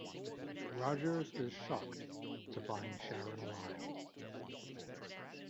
Rogers is shocked to find Sharon alive.